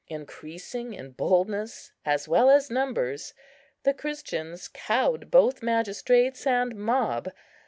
Increasing in boldness, as well as numbers, the Christians cowed both magistrates and mob.